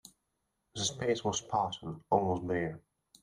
The space was spartan, almost bare.